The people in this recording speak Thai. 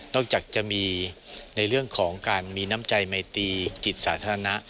จากจะมีในเรื่องของการมีน้ำใจไมตีจิตสาธารณะ